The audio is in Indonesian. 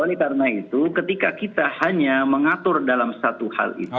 oleh karena itu ketika kita hanya mengatur dalam satu hal itu